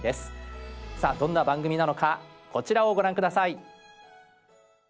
さあどんな番組なのかこちらをご覧下さい。